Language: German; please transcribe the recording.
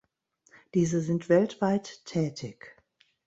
Diese sind weltweit tätig.